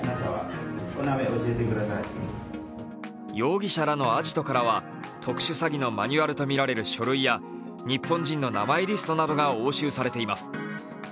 容疑者らのアジトからは特殊詐欺のマニュアルとみられる書類や日本人の名前リストなどが押収されています。